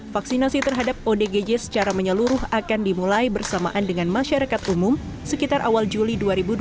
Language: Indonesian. vaksinasi terhadap odgj secara menyeluruh akan dimulai bersamaan dengan masyarakat umum sekitar awal juli dua ribu dua puluh